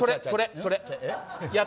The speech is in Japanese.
それ、それ。